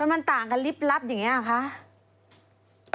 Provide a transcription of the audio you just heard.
มันต่างกันลิบลับอย่างนี้หรอคะ